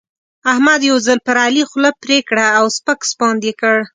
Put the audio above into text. احمد یو ځل پر علي خوله پرې کړه او سپک سپاند يې کړ.